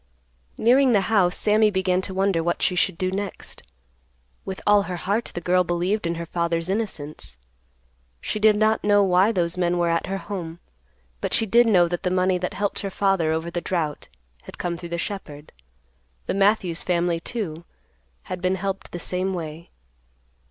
Nearing the house Sammy began to wonder what she should do next. With all her heart the girl believed in her father's innocence. She did not know why those men were at her home. But she did know that the money that helped her father over the drought had come through the shepherd; the Matthews family, too, had been helped the same way.